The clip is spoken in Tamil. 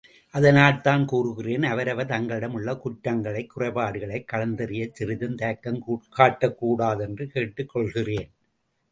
அதனால்தான் கூறுகிறேன், அவரவர் தங்களிடம் உள்ள குற்றங்களை, குறைபாடுகளைக் களைந்தெறியச் சிறிதும் தயக்கம் காட்டக்கூடாது என்று கேட்டுக் கொள்கிறேன்.